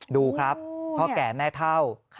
ดูครับพ่อแก่แม่เท่า